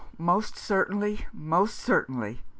most certainly, most certainly!'